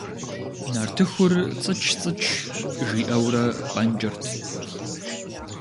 Нартыхур цӏыч-цӏыч жиӏэурэ пӏэнкӏырт.